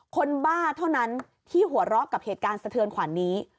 บ้าเท่านั้นที่หัวเราะกับเหตุการณ์สะเทือนขวัญนี้